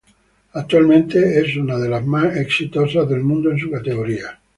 Actualmente es una de las más exitosas del mundo en su categoría.